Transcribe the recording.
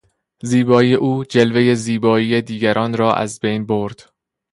زیبایی او جلوهی زیبایی دیگران را از بین برد.